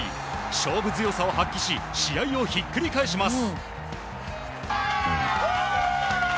勝負強さを発揮し試合をひっくり返します。